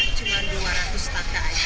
itu tidak untuk orang kasian